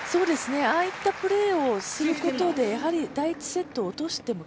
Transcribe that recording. ああいったプレーをすることで第１セットを落としても